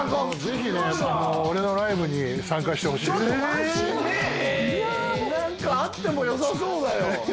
マジで何かあってもよさそうだよ。